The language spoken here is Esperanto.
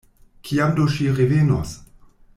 Kiam do ŝi revenos?